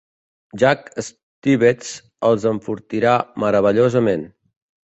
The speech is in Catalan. Jack Stivetts els enfortirà meravellosament.